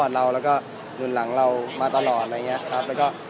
สวัสดีครับขออนุญาตถ้าใครถึงแฟนทีลักษณ์ที่เกิดอยู่แล้วค่ะ